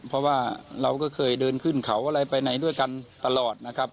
เพราะว่าเราก็เคยเดินขึ้นเขาอะไรไปไหนด้วยกันตลอดนะครับ